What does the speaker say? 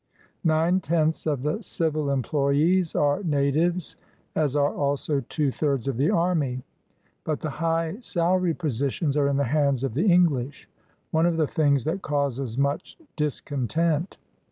Nine tenths of the civil employees are natives, as are also two thirds of the army; but the high salaried positions are in the hands of the English, one of the things that causes much dis content.